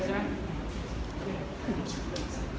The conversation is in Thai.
ขอบคุณครับ